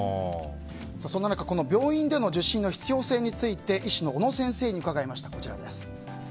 そんな中、病院での受診の必要性について医師の小野先生に伺いました。